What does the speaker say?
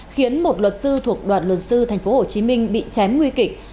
khiến một luật sư thuộc đoàn luật sư tp hcm bị chém nguy kịch